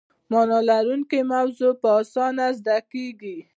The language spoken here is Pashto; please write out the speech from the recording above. معنی لرونکې موضوع په اسانۍ زده کیږي.